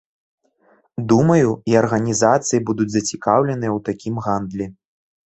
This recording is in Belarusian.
Думаю, і арганізацыі будуць зацікаўленыя ў такім гандлі.